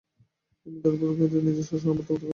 তিনি দারফুরকে নিজ শাসনের আওতাভুক্ত করেন।